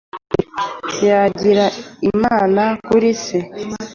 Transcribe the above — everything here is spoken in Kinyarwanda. Yagira Imana kuri se,